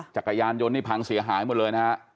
จักรยานยนต์นี่พังเสียหายหมดเลยนะฮะ